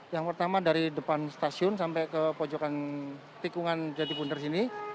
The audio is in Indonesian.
yang pertama dari depan stasiun sampai ke pojokan tikungan jatipunder sini